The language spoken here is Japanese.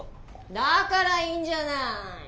だからいいんじゃない。